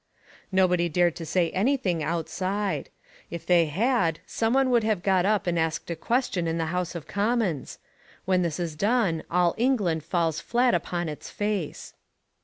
Nobody dared to say anything outside. If they had some one would have got up and asked a question in the House of Commons. When this is done all England falls flat upon its face.